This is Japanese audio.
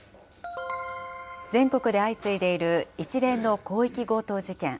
全国で相次いでいる一連の広域強盗事件。